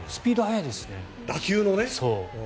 打球のね。